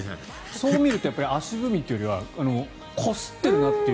そう見ると足踏みというよりはこすってるなという。